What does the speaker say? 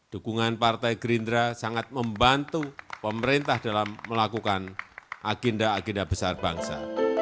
dukungan partai gerindra sangat membantu pemerintah dalam melakukan agenda agenda besar bangsa